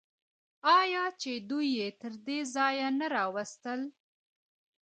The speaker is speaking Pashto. آیا چې دوی یې تر دې ځایه نه راوستل؟